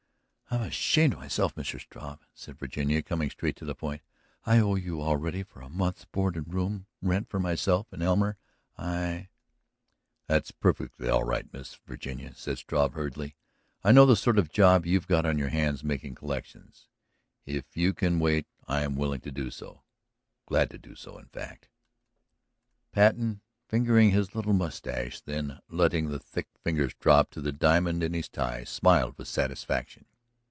"I am ashamed of myself, Mr. Struve," said Virginia, coming straight to the point. "I owe you already for a month's board and room rent for myself and Elmer. I ..." "That's perfectly all right, Miss Virginia," said Struve hurriedly. "I know the sort of job you've got on your hands making collections. If you can wait I am willing to do so. Glad to do so, in fact." Patten, fingering his little mustache, then letting his thick fingers drop to the diamond in his tie, smiled with satisfaction.